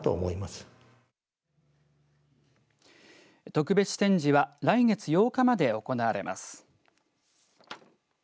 特別展示は来月８日まで行われます。